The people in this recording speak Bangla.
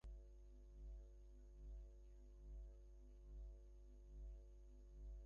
পরেশবাবুর একতলার বসিবার ঘর রাস্তা হইতেই দেখিতে পাওয়া যায়।